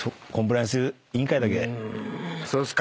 そうっすか。